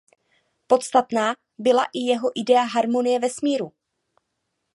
Podstatná byla i jeho idea harmonie vesmíru.